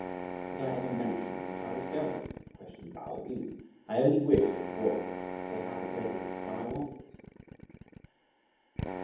"Did I ever mention that I was going?" questioned Pao yü; "I only wish it brought to have it ready when I want it."